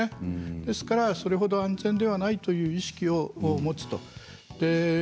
ですのでそれほど万全ではないという意識を持つ。